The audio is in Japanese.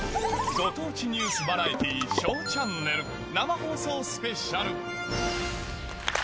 ご当地ニュースバラエティー、ＳＨＯＷチャンネル生放送スペシャル。